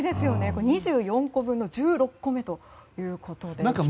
２４個分の１６個目ということでした。